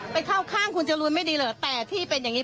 ไปเข้าข้างคุณจรูนไม่ดีเหรอแต่ที่เป็นอย่างนี้